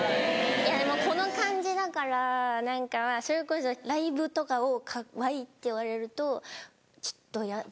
この感じだから何かそれこそライブとかをかわいいって言われるとちょっと嫌。